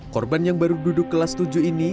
korban yang baru duduk kelas tujuh ini